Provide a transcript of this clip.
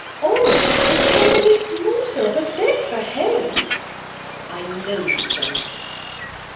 "Or that I care the least morsel of a bit for him?" "I know you don't."